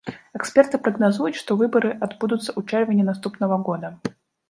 Эксперты прагназуюць, што выбары адбудуцца ў чэрвені наступнага года.